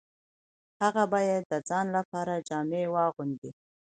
هغه باید د ځان لپاره جامې واغوندي